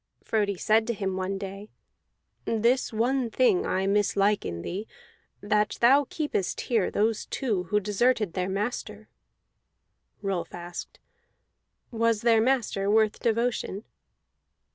Frodi said to him one day: "This one thing I mislike in thee, that thou keepest here those two who deserted their master." Rolf asked: "Was their master worth devotion?"